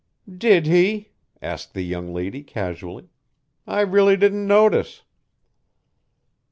"Did he?" asked the young lady casually, "I really didn't notice."